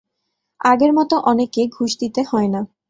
আগের মতো অনেকে ঘুষ দিতে হয় না।